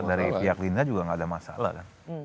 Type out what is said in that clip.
dari pihak linda juga tidak ada masalah